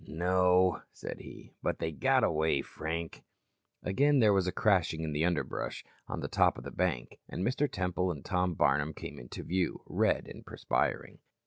"No," said he, "But they got away, Frank." Again there was a crashing in the underbrush on the top of the bank, and Mr. Temple and Tom Barnum came into view, red and perspiring.